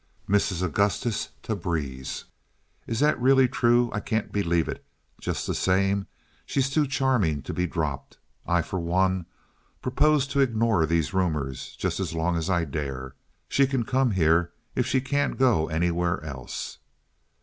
Mrs. Augustus Tabreez: "Is that really true? I can't believe it. Just the same, she's too charming to be dropped. I for one propose to ignore these rumors just as long as I dare. She can come here if she can't go anywhere else."